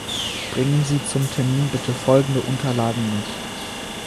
Bringen Sie zum Termin bitte folgende Unterlagen mit.